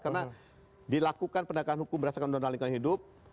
karena dilakukan pendekatan hukum berdasarkan undang undang lingkungan hidup